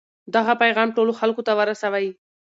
دغه پیغام ټولو خلکو ته ورسوئ.